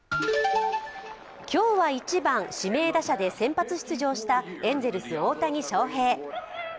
今日は１番・指名打者で先発出場したエンゼルス・大谷翔平。